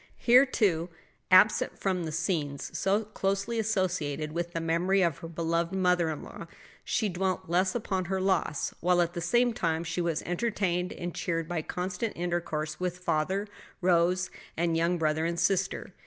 Here, too, absent from the scenes so closely associated with the memory of her beloved mother in law, she dwelt less upon her loss, while at the same time she was entertained and cheered by constant intercourse with father, Rose, and young brother and sister.